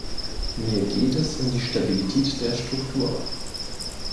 Mir geht es um die Stabilität der Struktur.